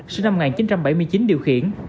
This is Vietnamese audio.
sinh năm một nghìn chín trăm bảy mươi chín điều khiển